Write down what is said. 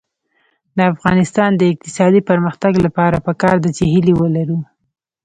د افغانستان د اقتصادي پرمختګ لپاره پکار ده چې هیلې ولرو.